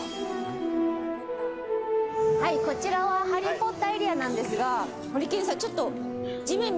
「こちらはハリー・ポッターエリアなんですが」「てかってる。